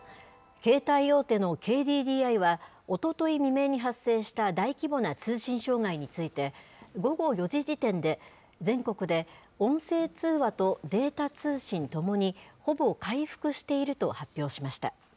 携帯大手のＫＤＤＩは、おととい未明に発生した大規模な通信障害について、午後４時時点で、全国で音声通話とデータ通信ともに、ほぼ回復していると発表しました。